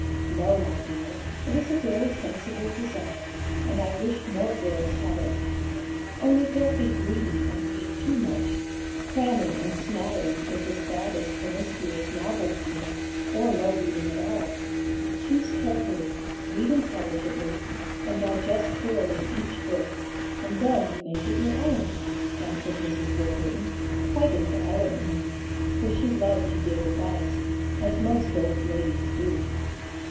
"No, my dear, it is a very sensible desire, and I wish more girls had it. Only don't be greedy, and read too much; cramming and smattering is as bad as promiscuous novel reading, or no reading at all. Choose carefully, read intelligently, and digest thoroughly each book, and then you make it your own," answered Mrs. Warburton, quite in her element now, for she loved to give advice, as most old ladies do.